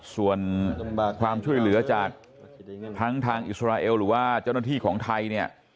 ส่วนความช่วยเหลือจากทั้งทางอิสราเอลหรือว่าเจ้าหน้าที่ของไทยเนี่ย